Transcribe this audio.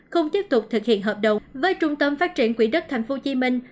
không tiếp tục thực hiện hợp đồng với trung tâm phát triển quỹ đất thành phố hồ chí minh